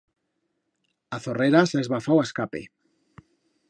A zorrera s'ha esbafau a escape.